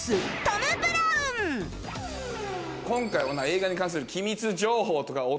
今回はな映画に関する機密情報とかお宝をな